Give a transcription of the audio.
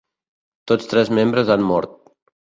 Tots tres membres han mort.